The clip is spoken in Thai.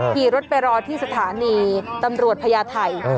ขี่รถไปรอที่สถานีตำรวจพญาไทย